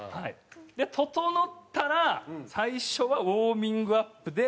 ととのったら最初はウォーミングアップで。